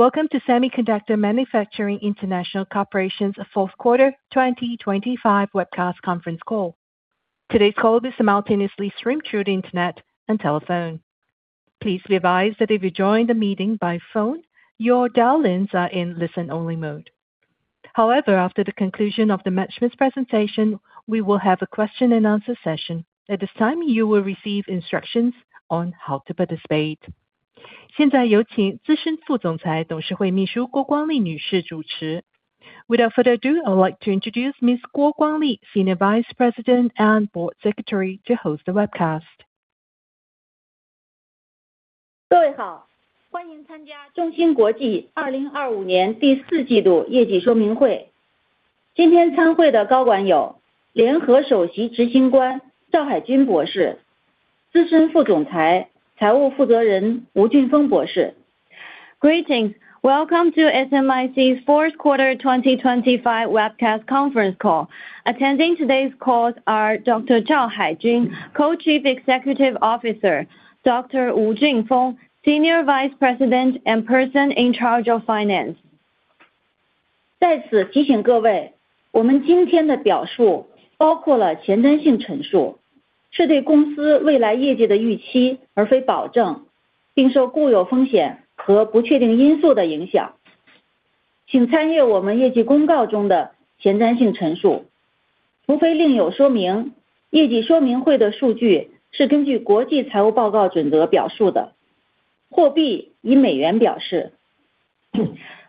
Welcome to Semiconductor Manufacturing International Corporation's fourth quarter 2025 webcast conference call. Today's call is simultaneously streamed through the internet and telephone. Please be advised that if you join the meeting by phone, your dial-ins are in listen-only mode. However, after the conclusion of the management presentation, we will have a question-and-answer session. At this time, you will receive instructions on how to participate. 现在有请资深副总裁董事会秘书郭光丽女士主持。Without further ado, I'd like to introduce Ms. Guo Guangli, Senior Vice President and Board Secretary, to host the webcast. 各位好，欢迎参加中芯国际2025年第四季度业绩说明会。今天参会的高管有：联合首席执行官赵海军博士、资深副总裁、财务负责人吴俊峰博士。Greetings. Welcome to SMIC's fourth quarter 2025 webcast Conference Call. Attending today's calls are Dr. Zhao Haijun, Co-Chief Executive Officer; Dr. Wu Junfeng, Senior Vice President and person in charge of finance.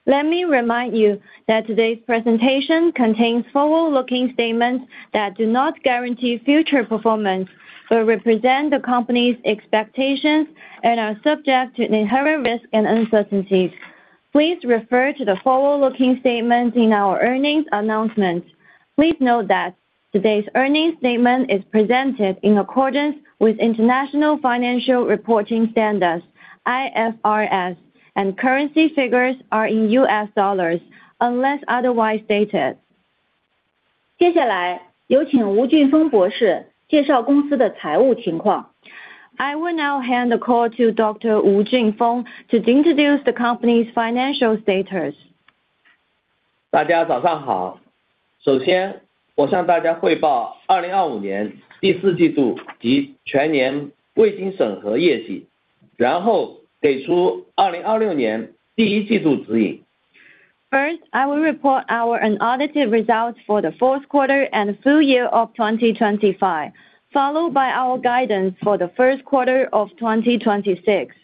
Let me remind you that today's presentation contains forward-looking statements that do not guarantee future performance but represent the company's expectations and are subject to inherent risk and uncertainties. Please refer to the forward-looking statements in our earnings announcements. Please note that today's earnings statement is presented in accordance with International Financial Reporting Standards (IFRS), and currency figures are in US dollars unless otherwise stated. 接下来有请吴俊峰博士介绍公司的财务情况。I will now hand the call to Dr. Wu Junfeng to introduce the company's financial status. 大家早上好。首先我向大家汇报2025年第四季度及全年未经审核业绩，然后给出2026年第一季度指引。First, I will report our audited results for the fourth quarter and full year of 2025, followed by our guidance for the first quarter of 2026.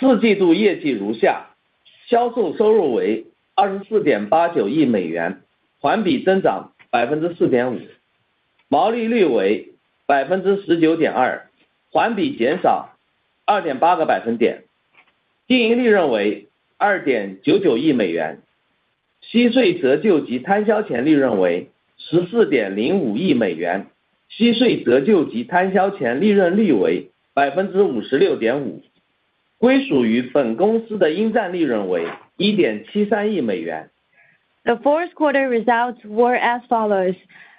四季度业绩如下：销售收入为$24.89亿美元，环比增长4.5%；毛利率为19.2%，环比减少2.8个百分点；净盈利润为$2.99亿美元；息税折旧及摊销前利润为$14.05亿美元；息税折旧及摊销前利润率为56.5%；归属于本公司的应占利润为$1.73亿美元。The fourth quarter results were as follows: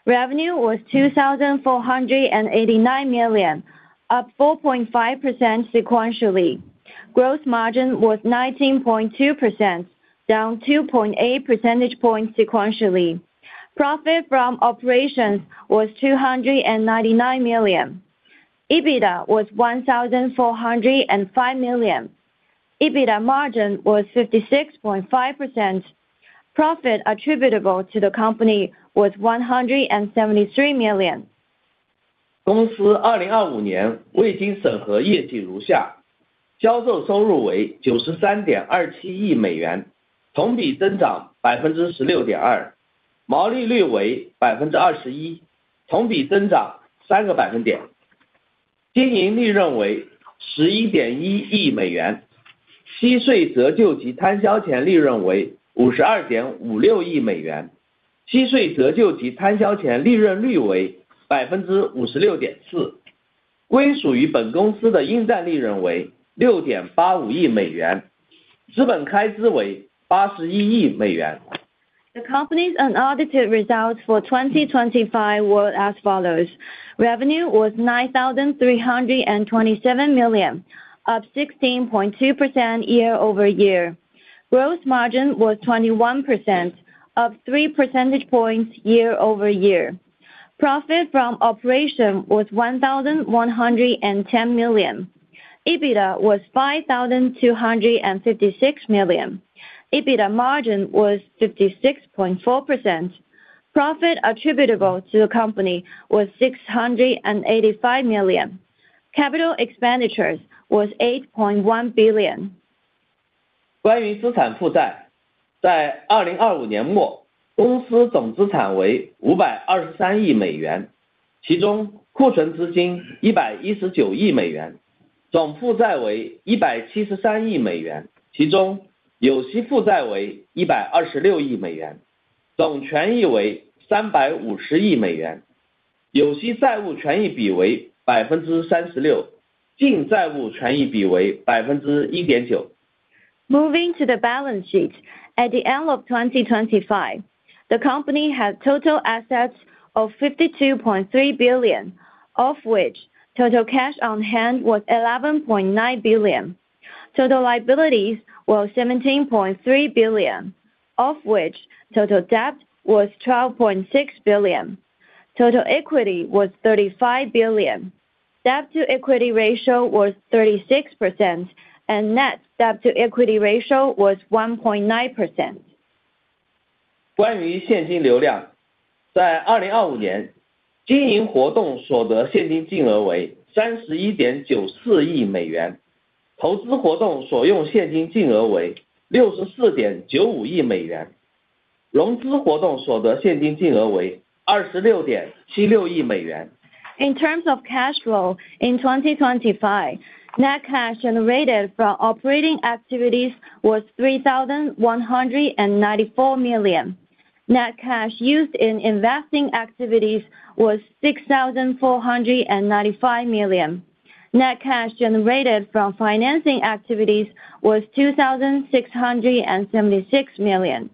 revenue was $2,489 million, up 4.5% sequentially; gross margin was 19.2%, down 2.8 percentage points sequentially; profit from operations was $299 million; EBITDA was $1,405 million; EBITDA margin was 56.5%; profit attributable to the company was $173 million. The company's unaudited results for 2025 were as follows: revenue was $9,327 million, up 16.2% year over year; gross margin was 21%, up 3 percentage points year over year; profit from operations was $1,110 million; EBITDA was $5,256 million; EBITDA margin was 56.4%; profit attributable to the company was $685 million; capital expenditures was $8.1 billion. 关于资产负债，在2025年末公司总资产为$523亿美元，其中库存资金$119亿美元；总负债为$173亿美元，其中有息负债为$126亿美元；总权益为$350亿美元；有息债务权益比为36%；净债务权益比为1.9%。Moving to the balance sheet, at the end of 2025, the company had total assets of $52.3 billion, of which total cash on hand was $11.9 billion; total liabilities were $17.3 billion, of which total debt was $12.6 billion; total equity was $35 billion; debt-to-equity ratio was 36%; and net debt-to-equity ratio was 1.9%. 关于现金流量，在2025年经营活动所得现金金额为$31.94亿美元；投资活动所用现金金额为$64.95亿美元；融资活动所得现金金额为$26.76亿美元。In terms of cash flow in 2025, net cash generated from operating activities was $3,194 million; net cash used in investing activities was $6,495 million; net cash generated from financing activities was $2,676 million.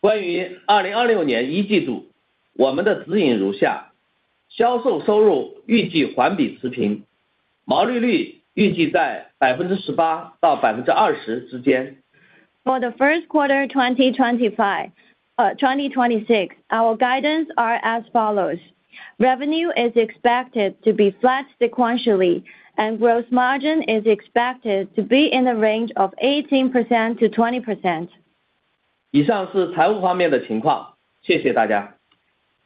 关于2026年一季度，我们的指引如下：销售收入预计环比持平，毛利率预计在18%到20%之间。For the first quarter 2026, our guidance are as follows: revenue is expected to be flat sequentially, and gross margin is expected to be in the range of 18% to 20%. 以上是财务方面的情况，谢谢大家。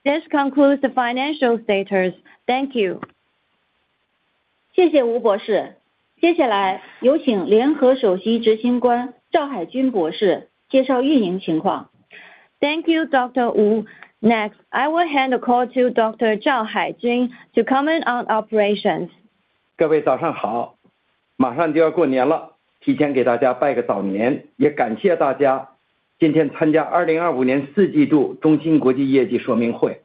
This concludes the financial status. Thank you. 谢谢吴博士。接下来有请联合首席执行官赵海军博士介绍运营情况。Thank you, Dr. Wu. Next, I will hand the call to Dr. Zhao Haijun to comment on operations. 各位早上好。马上就要过年了，提前给大家拜个早年，也感谢大家今天参加2025年四季度中芯国际业绩说明会。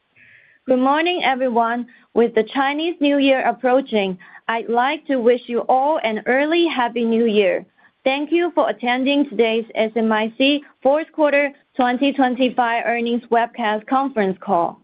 Good morning, everyone. With the Chinese New Year approaching, I'd like to wish you all an early Happy New Year. Thank you for attending today's SMIC fourth quarter 2025 earnings webcast conference call.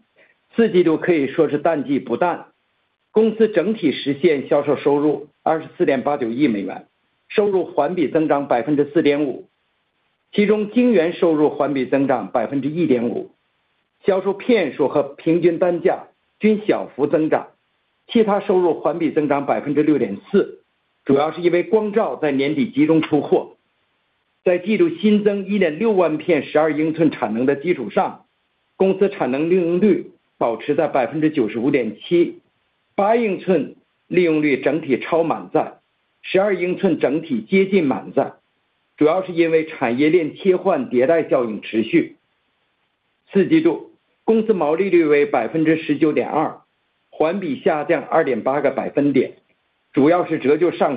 The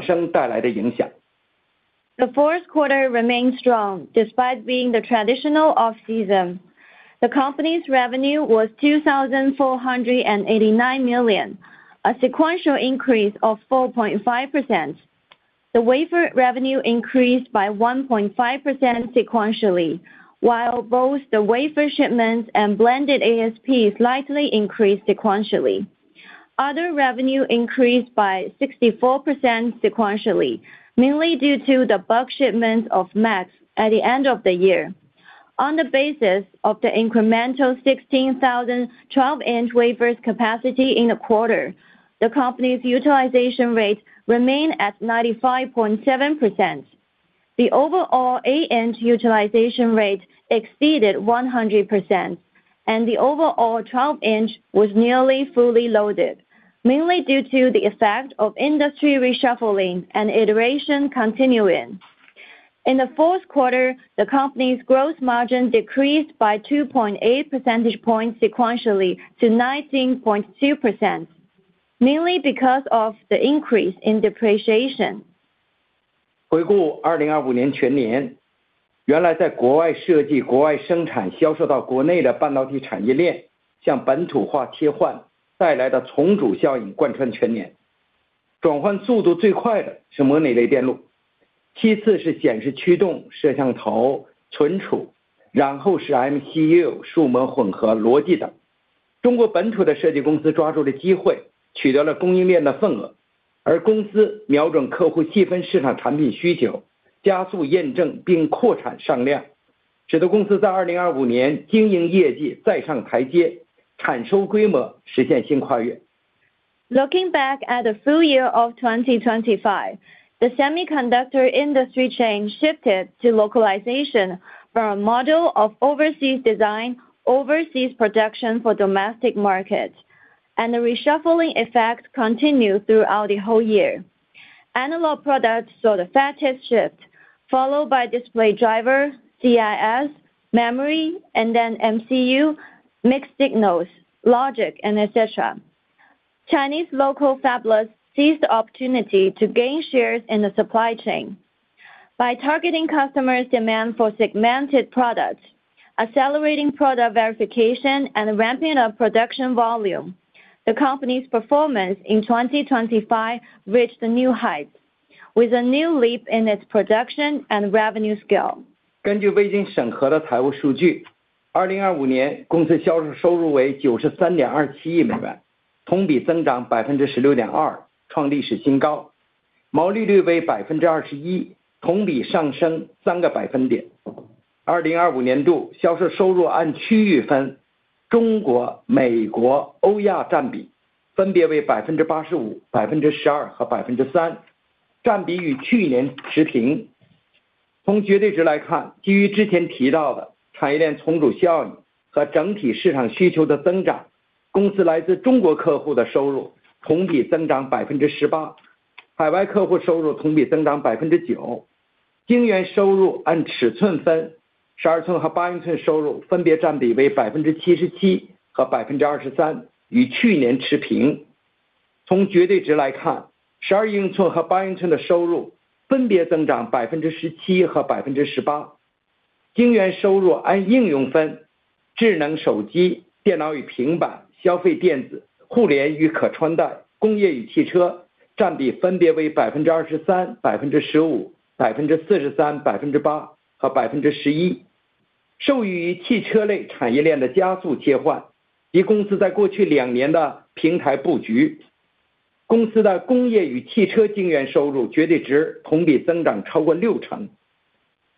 fourth quarter remained strong despite being the traditional off-season. The company's revenue was $2,489 million, a sequential increase of 4.5%. The wafer revenue increased by 1.5% sequentially, while both the wafer shipments and blended ASP slightly increased sequentially. Other revenue increased by 64% sequentially, mainly due to the bulk shipments of MAX at the end of the year. On the basis of the incremental 16,000 12-inch wafers capacity in the quarter, the company's utilization rate remained at 95.7%. The overall 8-inch utilization rate exceeded 100%, and the overall 12-inch was nearly fully loaded, mainly due to the effect of industry reshuffling and iteration continuing. In the fourth quarter, the company's gross margin decreased by 2.8 percentage points sequentially to 19.2%, mainly because of the increase in depreciation. Looking back at the full year of 2025, the semiconductor industry shifted to localization from a model of overseas design, overseas production for domestic markets, and the reshuffling effects continued throughout the whole year. Analog products saw the fastest shift, followed by display driver, CIS, memory, and then MCU, mixed signals, logic, etc. Chinese local fabless companies seized the opportunity to gain shares in the supply chain. By targeting customers' demand for segmented products, accelerating product verification, and ramping up production volume, the company's performance in 2025 reached new heights, with a new leap in its production and revenue scale.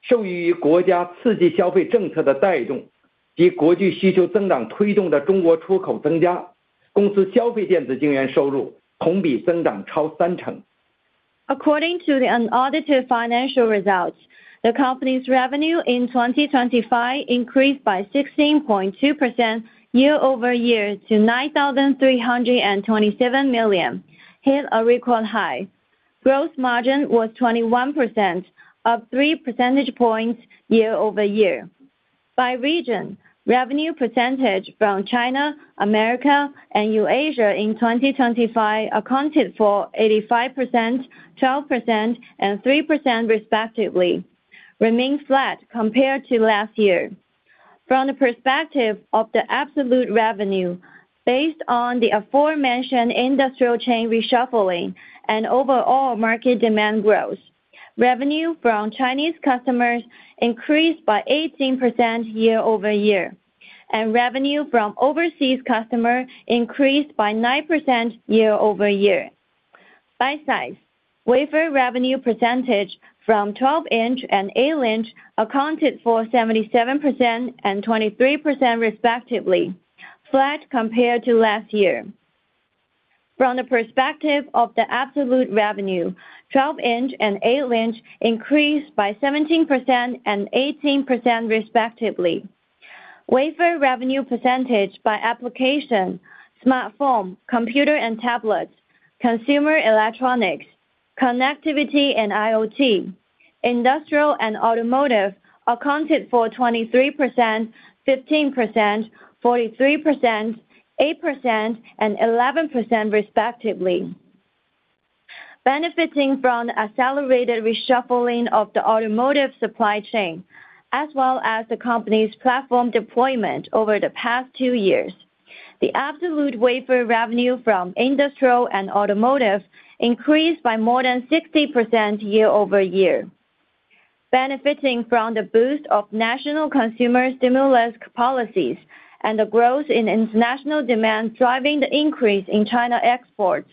According to the unaudited financial results, the company's revenue in 2025 increased by 16.2% year over year to $9,327 million, hit a record high; gross margin was 21%, up 3 percentage points year over year. By region, revenue percentage from China, America, and Eurasia in 2025 accounted for 85%, 12%, and 3% respectively, remains flat compared to last year. From the perspective of the absolute revenue, based on the aforementioned industrial chain reshuffling and overall market demand growth, revenue from Chinese customers increased by 18% year over year, and revenue from overseas customers increased by 9% year over year. By size, wafer revenue percentage from 12-inch and 8-inch accounted for 77% and 23% respectively, flat compared to last year. From the perspective of the absolute revenue, 12-inch and 8-inch increased by 17% and 18% respectively; wafer revenue percentage by application, smartphone, computer and tablets, consumer electronics, connectivity and IoT, industrial and automotive accounted for 23%, 15%, 43%, 8%, and 11% respectively. Benefiting from the accelerated reshuffling of the automotive supply chain, as well as the company's platform deployment over the past two years, the absolute wafer revenue from industrial and automotive increased by more than 60% year over year. Benefiting from the boost of national consumer stimulus policies and the growth in international demand driving the increase in China exports,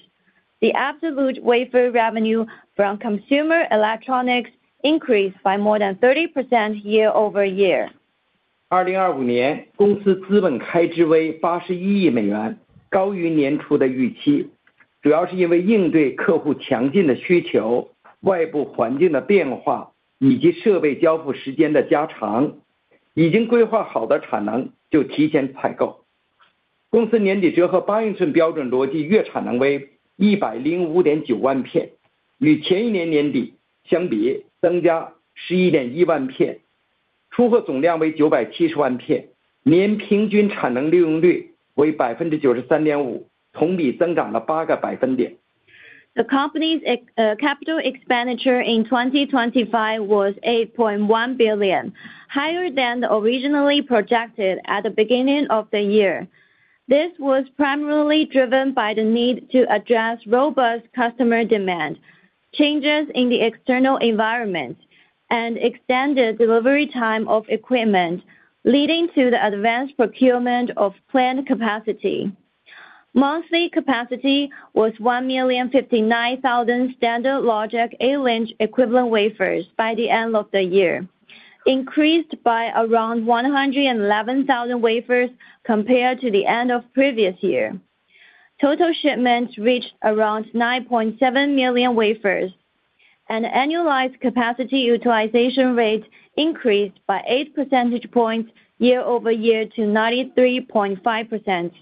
the absolute wafer revenue from consumer electronics increased by more than 30% year over year. The company's capital expenditure in 2025 was $8.1 billion, higher than originally projected at the beginning of the year. This was primarily driven by the need to address robust customer demand, changes in the external environment, and extended delivery time of equipment, leading to the advanced procurement of planned capacity. Monthly capacity was 1,059,000 standard Logic 8-inch equivalent wafers by the end of the year, increased by around 111,000 wafers compared to the end of the previous year. Total shipments reached around 9.7 million wafers, and annualized capacity utilization rate increased by 8 percentage points year-over-year to 93.5%.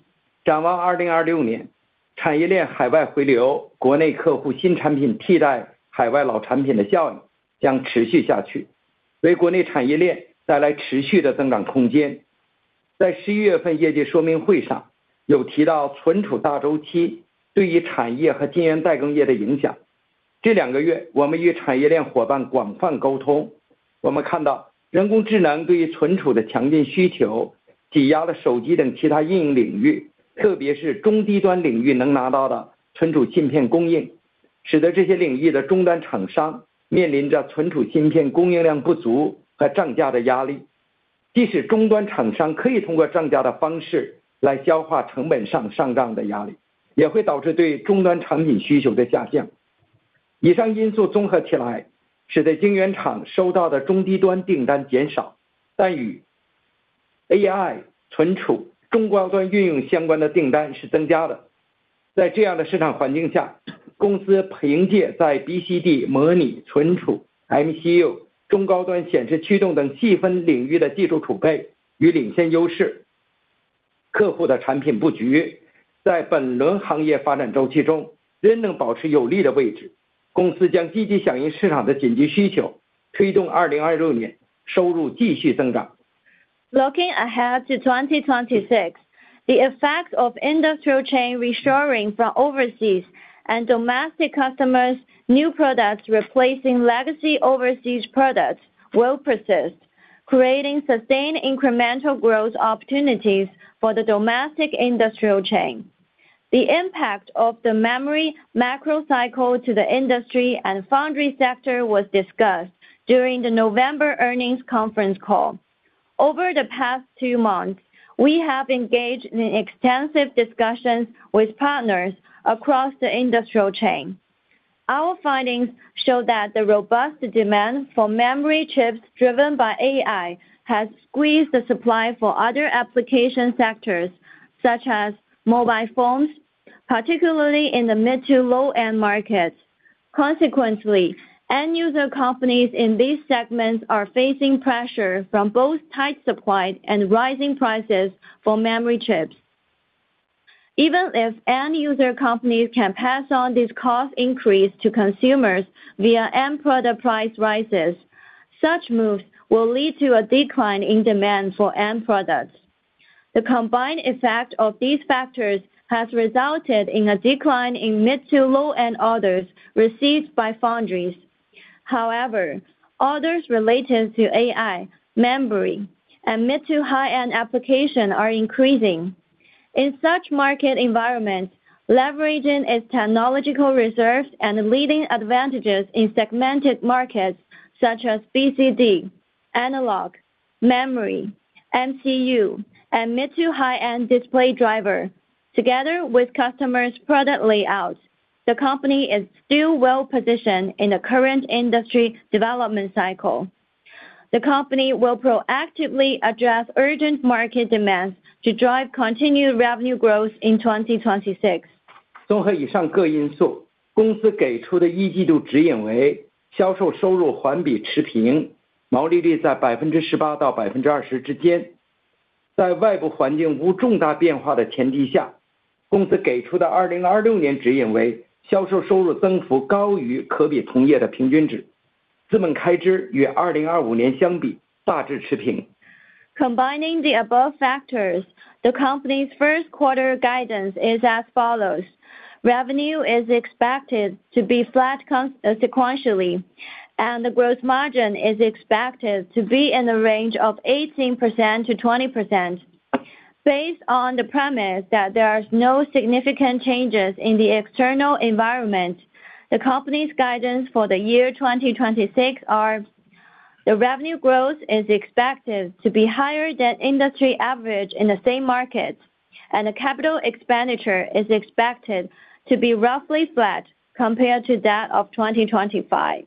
Looking ahead to 2026, the effects of industrial chain restoring from overseas and domestic customers' new products replacing legacy overseas products will persist, creating sustained incremental growth opportunities for the domestic industrial chain. The impact of the memory macro cycle to the industry and foundry sector was discussed during the November earnings conference call. Over the past two months, we have engaged in extensive discussions with partners across the industrial chain. Our findings show that the robust demand for memory chips driven by AI has squeezed the supply for other application sectors such as mobile phones, particularly in the mid to low-end markets. Consequently, end-user companies in these segments are facing pressure from both tight supply and rising prices for memory chips. Even if end-user companies can pass on this cost increase to consumers via end product price rises, such moves will lead to a decline in demand for end products. The combined effect of these factors has resulted in a decline in mid to low-end orders received by foundries. However, orders related to AI, memory, and mid to high-end applications are increasing. In such market environments, leveraging its technological reserves and leading advantages in segmented markets such as BCD, analog, memory, MCU, and mid to high-end display driver, together with customers' product layouts, the company is still well positioned in the current industry development cycle. The company will proactively address urgent market demands to drive continued revenue growth in 2026. 综合以上各因素，公司给出的一季度指引为销售收入环比持平，毛利率在18%到20%之间。在外部环境无重大变化的前提下，公司给出的2026年指引为销售收入增幅高于可比同业的平均值，资本开支与2025年相比大致持平。Combining the above factors, the company's first quarter guidance is as follows: revenue is expected to be flat sequentially, and the gross margin is expected to be in the range of 18% to 20%. Based on the premise that there are no significant changes in the external environment, the company's guidance for the year 2026 is: the revenue growth is expected to be higher than industry average in the same markets, and the capital expenditure is expected to be roughly flat compared to that of 2025.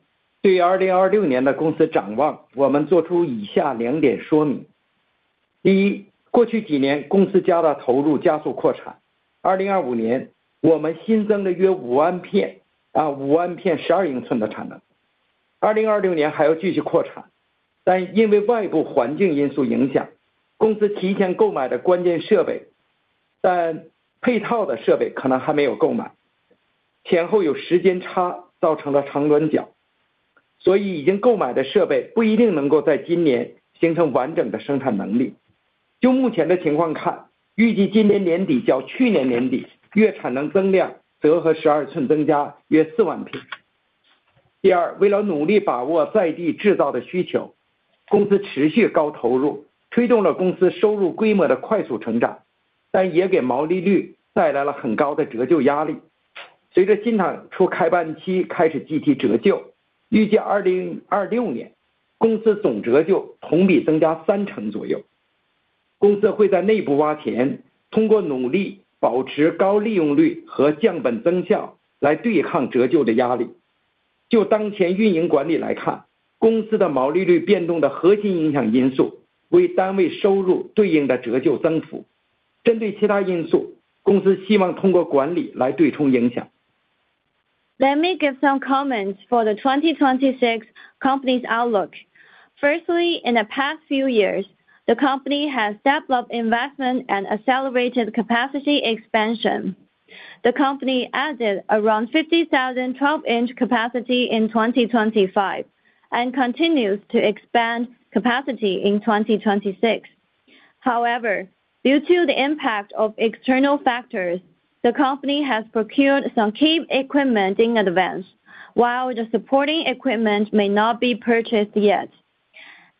Let me give some comments for the 2026 company's outlook. Firstly, in the past few years, the company has stepped up investment and accelerated capacity expansion. The company added around 50,000 12-inch capacity in 2025 and continues to expand capacity in 2026. However, due to the impact of external factors, the company has procured some key equipment in advance, while the supporting equipment may not be purchased yet.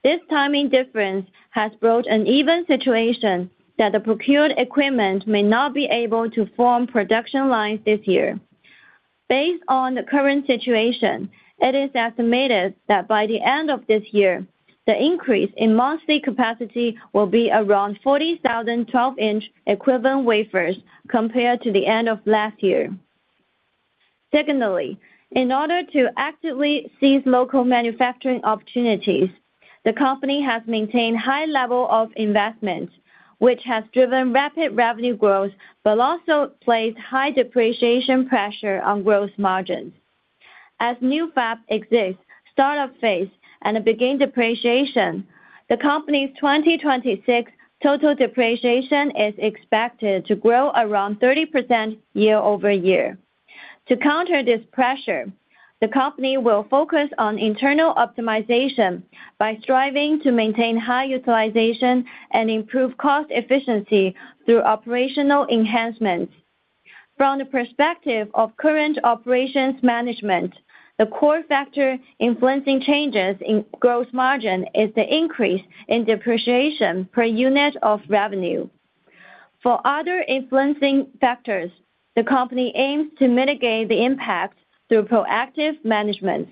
This timing difference has brought a situation that the procured equipment may not be able to form production lines this year. Based on the current situation, it is estimated that by the end of this year, the increase in monthly capacity will be around 40,000 12-inch equivalent wafers compared to the end of last year. Secondly, in order to actively seize local manufacturing opportunities, the company has maintained high levels of investment, which has driven rapid revenue growth but also placed high depreciation pressure on gross margins. As new fabs ramp up and begin depreciation, the company's 2026 total depreciation is expected to grow around 30% year over year. To counter this pressure, the company will focus on internal optimization by striving to maintain high utilization and improve cost efficiency through operational enhancements. From the perspective of current operations management, the core factor influencing changes in gross margin is the increase in depreciation per unit of revenue. For other influencing factors, the company aims to mitigate the impact through proactive management.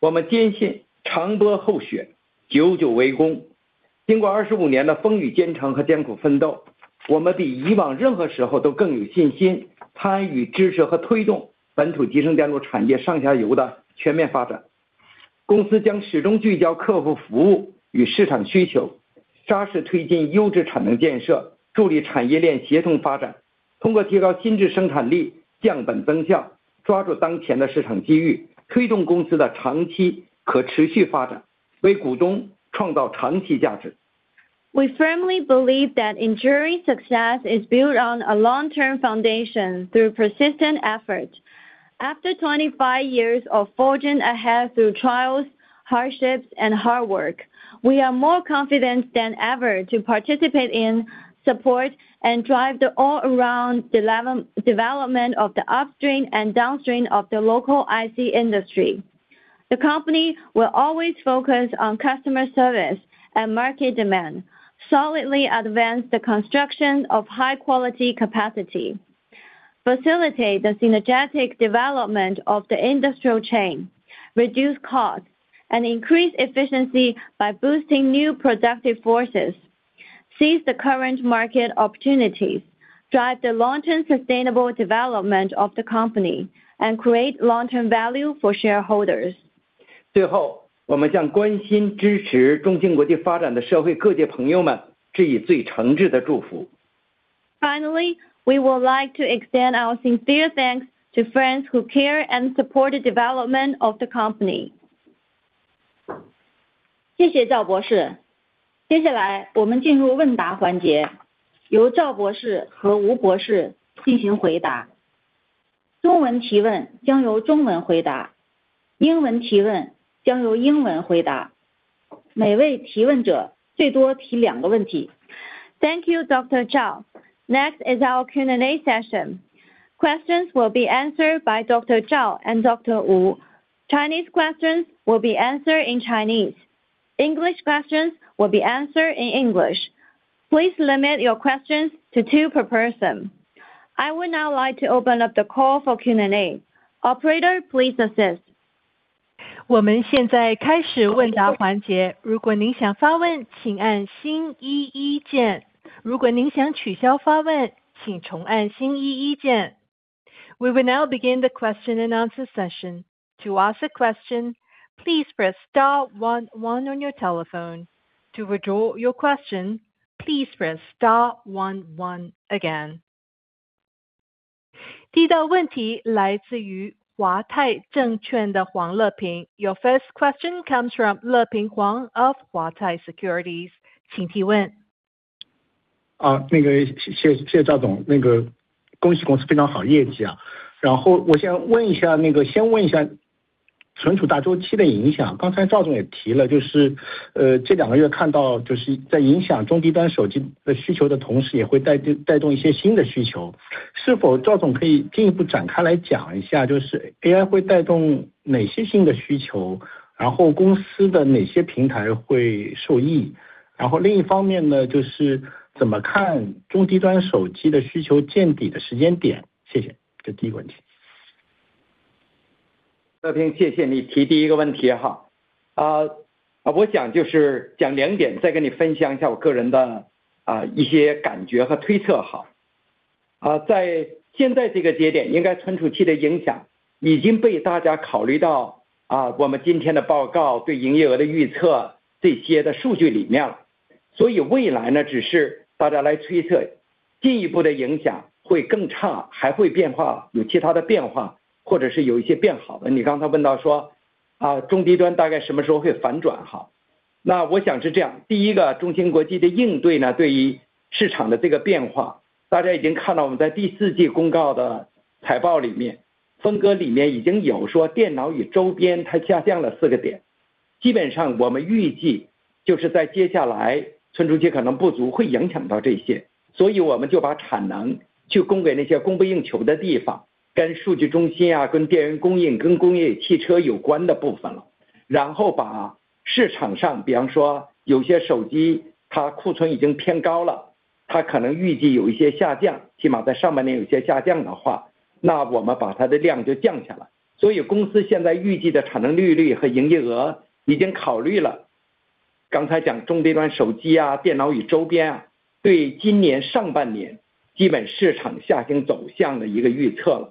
我们坚信"长波后雪，久久为功"。经过25年的风雨兼程和艰苦奋斗，我们比以往任何时候都更有信心参与支持和推动本土集成电路产业上下游的全面发展。公司将始终聚焦客户服务与市场需求，扎实推进优质产能建设，助力产业链协同发展。通过提高新质生产力、降本增效，抓住当前的市场机遇，推动公司的长期可持续发展，为股东创造长期价值。We firmly believe that enduring success is built on a long-term foundation through persistent effort. After 25 years of forging ahead through trials, hardships, and hard work, we are more confident than ever to participate in, support, and drive the all-around development of the upstream and downstream of the local IC industry. The company will always focus on customer service and market demand, solidly advance the construction of high-quality capacity, facilitate the synergetic development of the industrial chain, reduce costs, and increase efficiency by boosting new productive forces, seize the current market opportunities, drive the long-term sustainable development of the company, and create long-term value for shareholders. 最后，我们向关心支持中芯国际发展的社会各界朋友们致以最诚挚的祝福。Finally, we would like to extend our sincere thanks to friends who care and support the development of the company. 谢谢赵博士。接下来我们进入问答环节，由赵博士和吴博士进行回答。中文提问将由中文回答，英文提问将由英文回答。每位提问者最多提两个问题。Thank you, Dr. Zhao. Next is our Q&A session. Questions will be answered by Dr. Zhao and Dr. Wu. Chinese questions will be answered in Chinese. English questions will be answered in English. Please limit your questions to two per person. I would now like to open up the call for Q&A. Operator, please assist. 我们现在开始问答环节。如果您想发问，请按"*11"键。如果您想取消发问，请重按"*11"键。We will now begin the question and answer session. To ask a question, please press star 11 on your telephone. To withdraw your question, please press star one, one again. 第一道问题来自于华泰证券的黄乐平。Your first question comes from Le Ping Huang of Huatai Securities. 请提问。谢谢赵总，恭喜公司非常好的业绩。然后我先问一下存储大周期的影响。刚才赵总也提了，就是这两个月看到在影响中低端手机的需求的同时，也会带动一些新的需求。是否赵总可以进一步展开来讲一下，就是AI会带动哪些新的需求，然后公司的哪些平台会受益？然后另一方面就是怎么看中低端手机的需求见底的时间点？谢谢，这是第一个问题。乐平，谢谢你提第一个问题。我想就是讲两点，再跟你分享一下我个人的一些感觉和推测。在现在这个节点，应该存储器的影响已经被大家考虑到我们今天的报告对营业额的预测这些的数据里面了。所以未来只是大家来推测，进一步的影响会更差，还会变化，有其他的变化，或者是有一些变好的。你刚才问到说中低端大概什么时候会反转。我想是这样，第一个中芯国际的应对对于市场的这个变化，大家已经看到我们在第四季公告的财报里面，分割里面已经有说电脑与周边它下降了4个点。基本上我们预计就是在接下来存储器可能不足会影响到这些。所以我们就把产能去供给那些供不应求的地方，跟数据中心、跟电源供应、跟工业汽车有关的部分了。然后把市场上，比方说有些手机它库存已经偏高了，它可能预计有一些下降，起码在上半年有些下降的话，那我们把它的量就降下来。所以公司现在预计的产能利率和营业额已经考虑了刚才讲中低端手机、电脑与周边对今年上半年基本市场下行走向的一个预测了。这是第一个。第二个就是刚才你问到的，世界上的事情永远是一个硬币的两面，一边不好就会带来另外一边的非常好。我们现在看到你知道的，就中芯国际也做存储器和存储器相关的产品。那这个部分就是涨得非常的快，需求非常的急。那业界大家都知道第一季度一直在加价这样的事情，主要是供不应求。产能我们就尽可能地把能转为专用存储器的MCU的，或者是跟存储器相关的逻辑电路的部分，我们就尽可能把产能给转过去。第二个大家看到的是跟所有的数据，我们这个应该是大家讲算力之外，还有一个是用来数据传输的部分，这个通量的部分。那跟这些有关的，无论是跟光有关的数据传输，还是跟数字，这个电的数字传输，这些电路都是在增长。然后跟边缘，就我们一般叫edge 好，谢谢。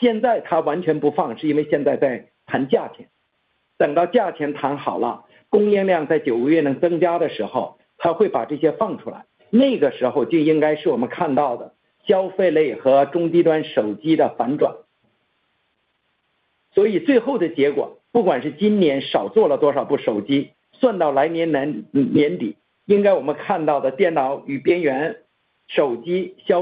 下一道问题来自于中芯证券的王子源。Your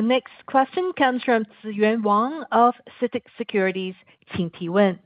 next question comes from Ziyuan Wang of CITIC Securities. 请提问。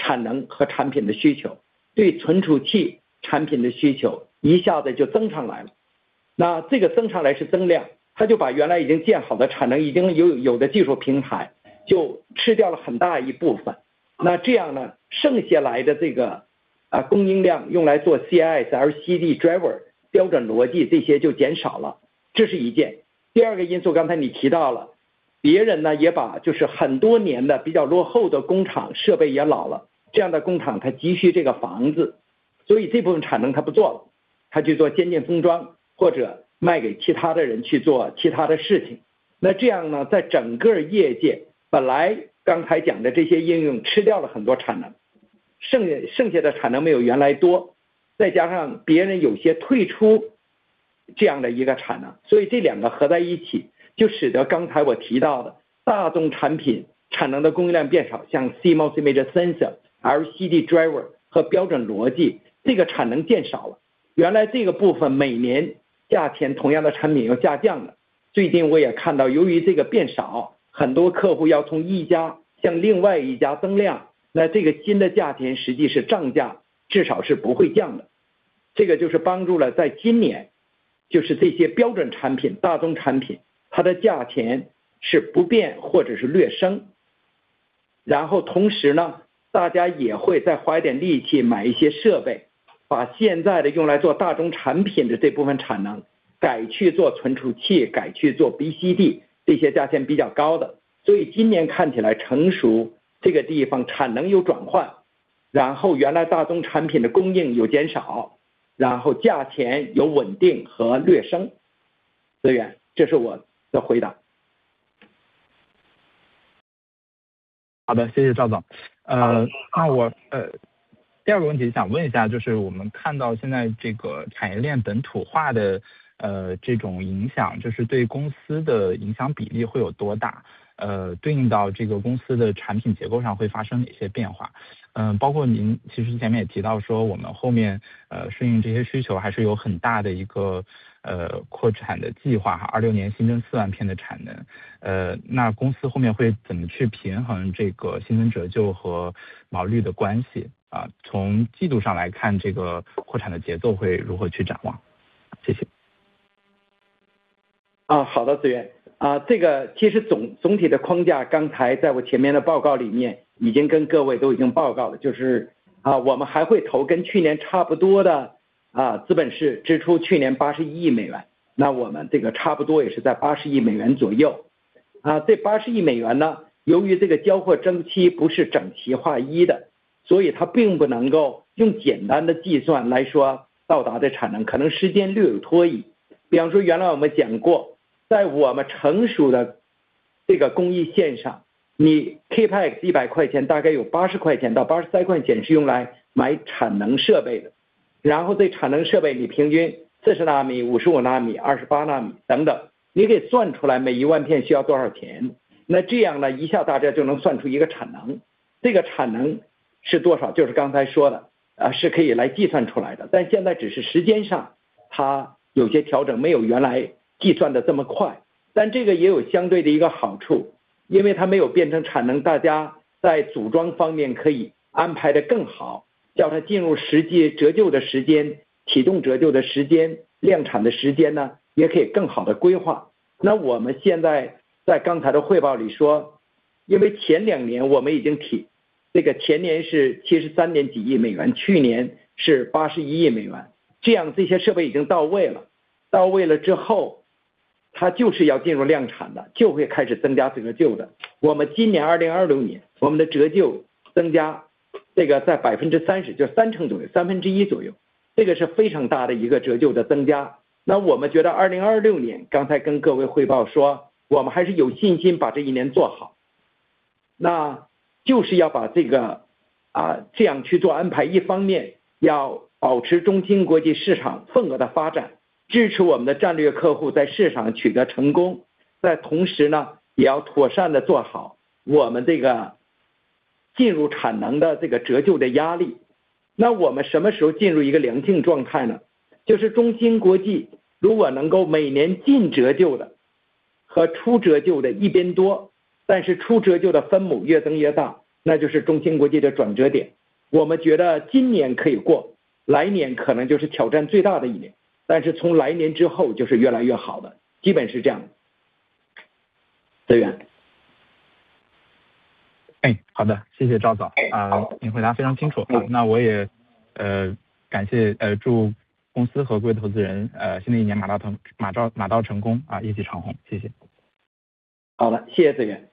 好的，谢谢子源。现在市场上的变化刚才讲了，由于这个人工智能、数据中心、边缘端侧的这个应用，它这些都是增量，原来并不是这么存在的。再加上本土汽车这个产业链，这个量也是大量增长的。这样就使得对BCD产能和产品的需求，对存储器产品的需求一下子就增上来了。那这个增上来是增量，它就把原来已经建好的产能，已经有的技术平台就吃掉了很大一部分。那这样剩下来的这个供应量用来做CIS、LCD Driver、标准逻辑这些就减少了。这是一件。Image Sensor、LCD Driver和标准逻辑，这个产能减少了。好的，谢谢赵总，您回答非常清楚。那我也感谢祝公司和各位投资人新的一年马到成功，一起长虹。谢谢。好的，谢谢子源。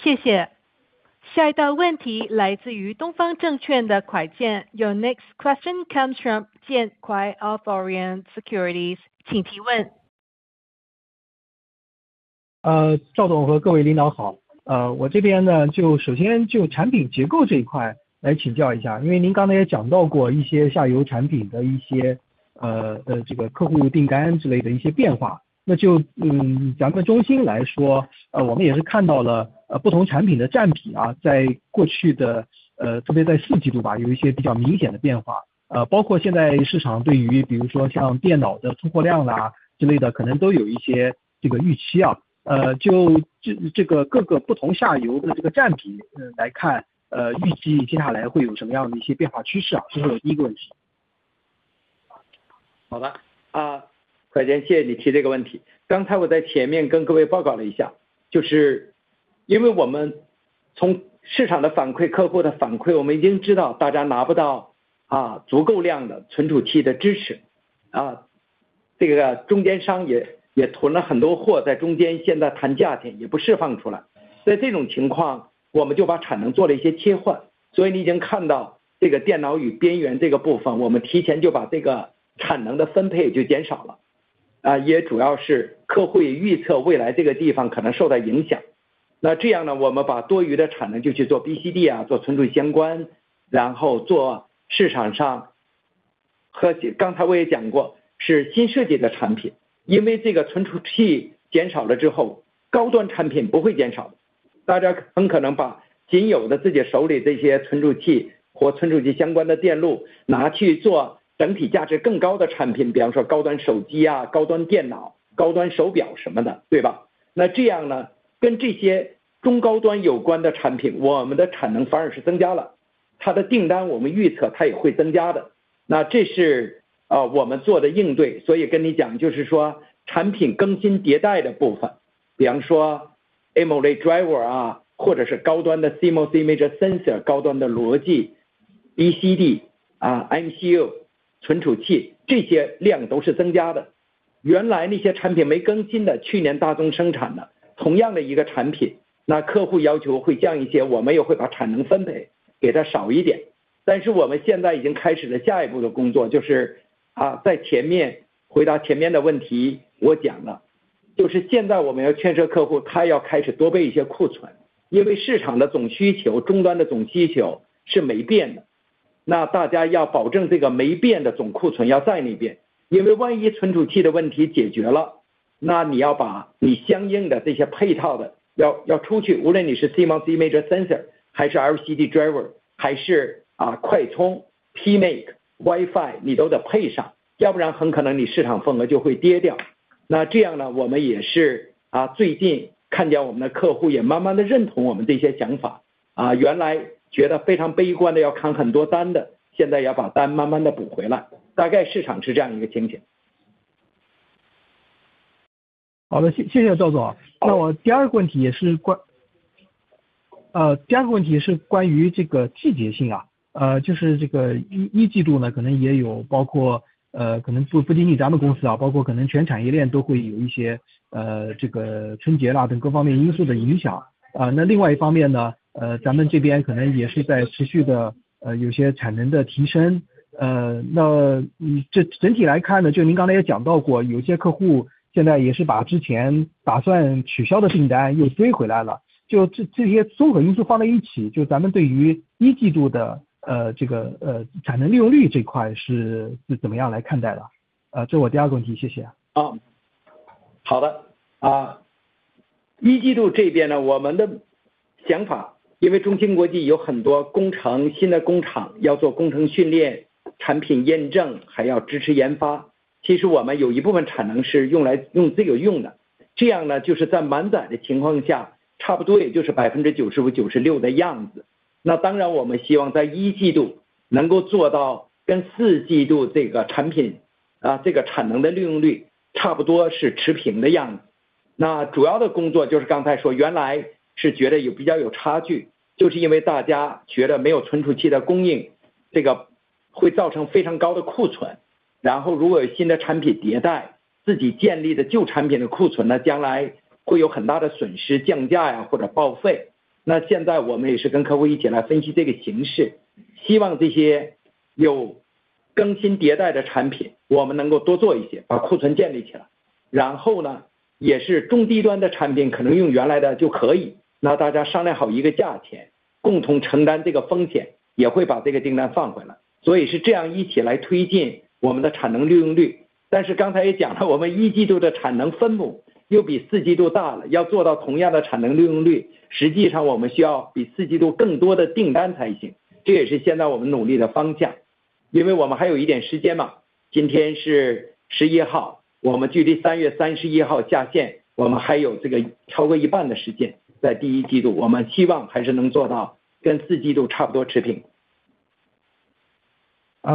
谢谢。下一道问题来自于东方证券的Kuai Jian。Your next question comes from Kuai Jian of Orient Securities. 请提问。Driver或者是高端的CMOS Image Sensor、高端的逻辑、BCD、MCU存储器，这些量都是增加的。原来那些产品没更新的，去年大宗生产的同样的一个产品，那客户要求会降一些，我们也会把产能分配给它少一点。但是我们现在已经开始了下一步的工作，就是在前面回答前面的问题我讲了，就是现在我们要劝说客户，他要开始多备一些库存，因为市场的总需求、终端的总需求是没变的。那大家要保证这个没变的总库存要在那边，因为万一存储器的问题解决了，那你要把你相应的这些配套的要出去，无论你是CMOS Image Sensor还是LCD Driver，还是快充、PMIC、WiFi，你都得配上，要不然很可能你市场份额就会跌掉。那这样我们也是最近看见我们的客户也慢慢地认同我们这些想法，原来觉得非常悲观的要砍很多单的，现在要把单慢慢地补回来。大概市场是这样一个情形。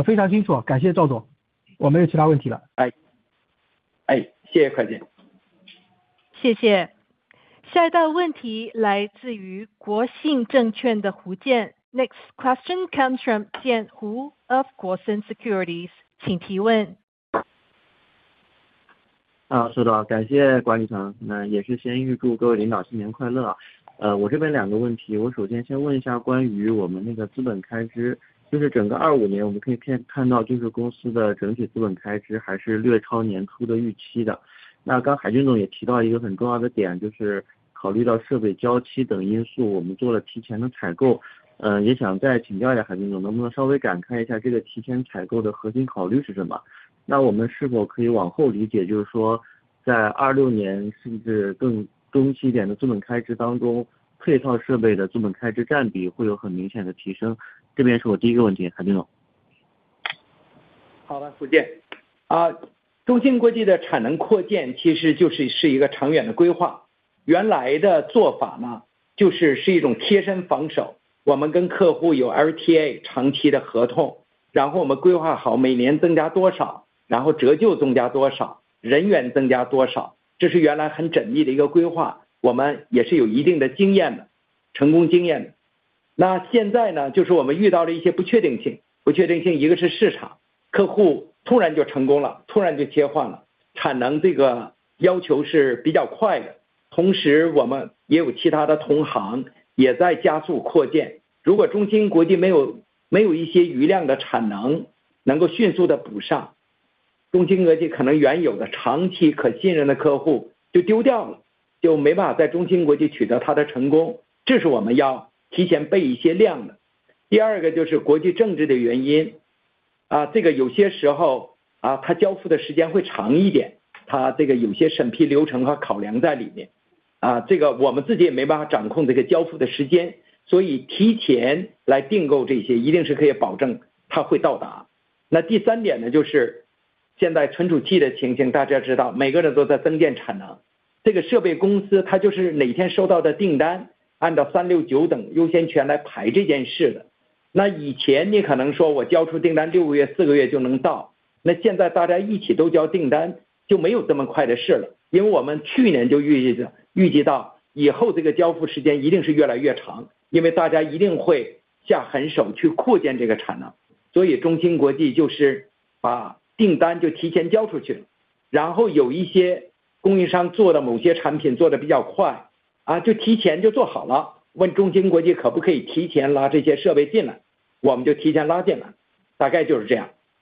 非常清楚，感谢赵总。我没有其他问题了。谢谢快件。谢谢。下一道问题来自于国信证券的胡建。Next question comes from Hu Jian of Guoxin Securities. 请提问。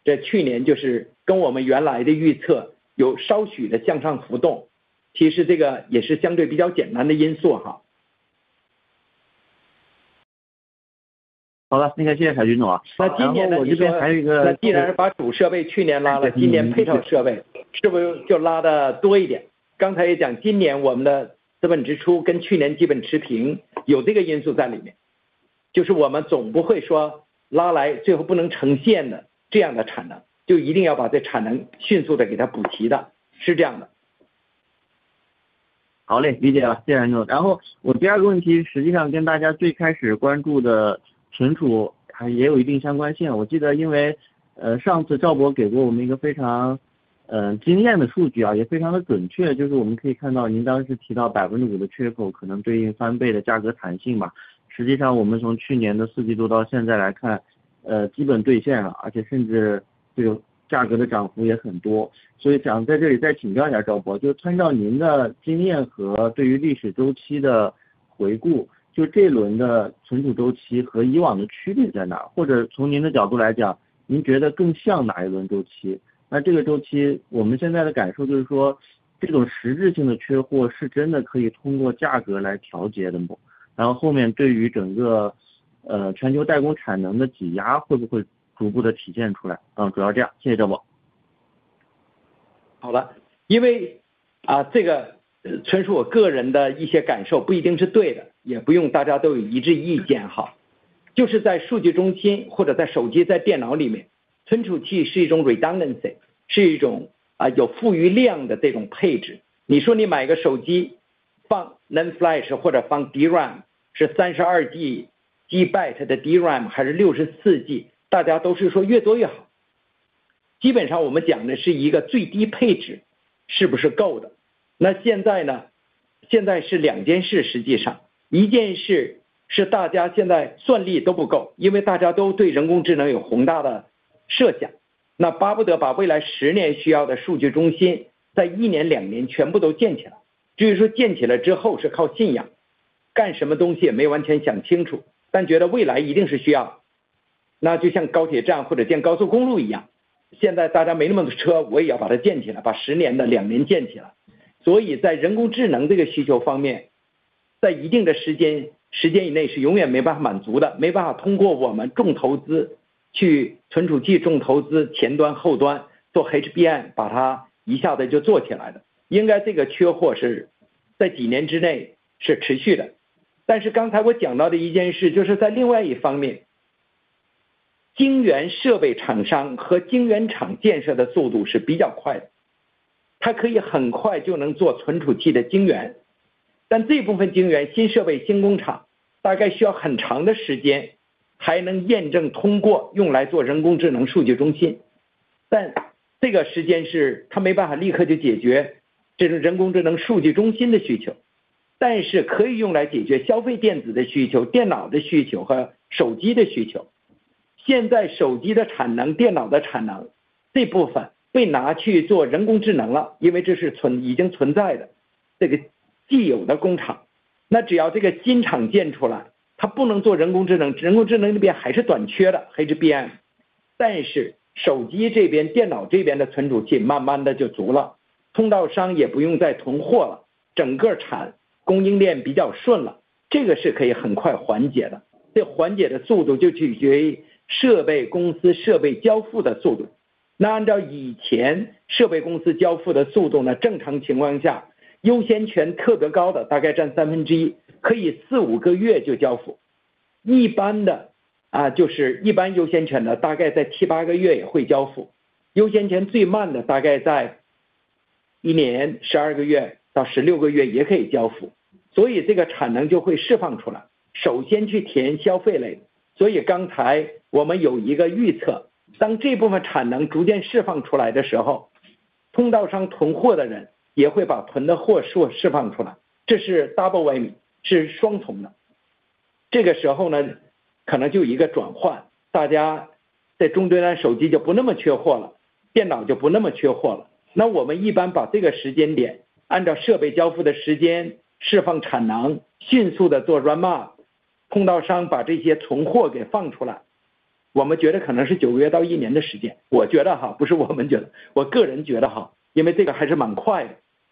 这去年就是跟我们原来的预测有稍许的向上浮动，其实这个也是相对比较简单的因素。好的，那个谢谢海军总。那我这边还有一个。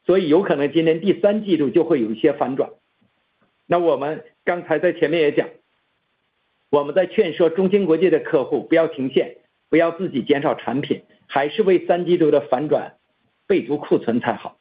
mark，通道商把这些囤货给放出来。我们觉得可能是九个月到一年的时间。我觉得，不是我们觉得，我个人觉得，因为这个还是蛮快的。所以有可能今年第三季度就会有一些反转。那我们刚才在前面也讲，我们在劝说中芯国际的客户不要停线，不要自己减少产品，还是为三季度的反转备足库存才好。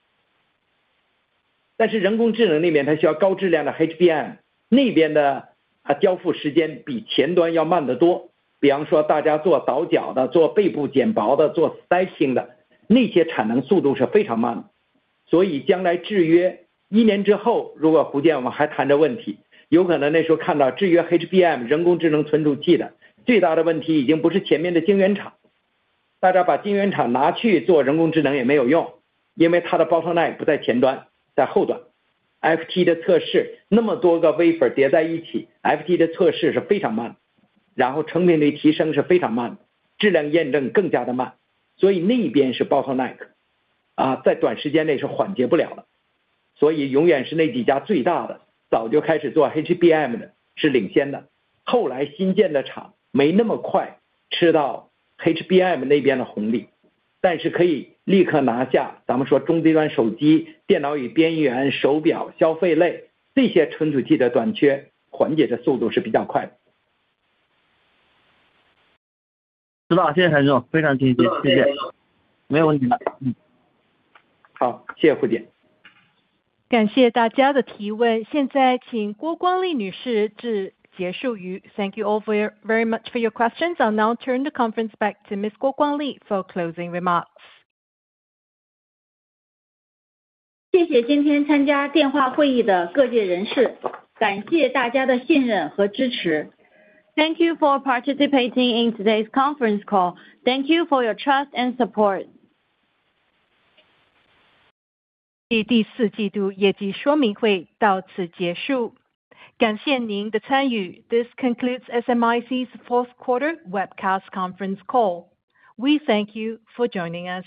知道了，谢谢海军总，非常清晰，谢谢。没有问题了。好，谢谢胡建。感谢大家的提问。现在请郭光丽女士致结束语。Thank you all very much for your questions. I'll now turn the conference back to Miss Guo Guangli for closing remarks. 谢谢今天参加电话会议的各界人士，感谢大家的信任和支持。Thank you for participating in today's conference call. Thank you for your trust and support. 第四季度业绩说明会到此结束。感谢您的参与。This concludes SMIC's fourth quarter webcast conference call. We thank you for joining us.